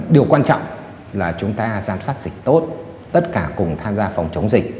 điều quan trọng là chúng ta giám sát dịch tốt tất cả cùng tham gia phòng chống dịch